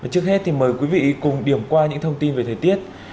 trước hết thì mời quý vị cùng điểm qua những thông tin về thời tiết